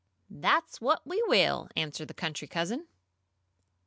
"That's what we will," answered the country cousin.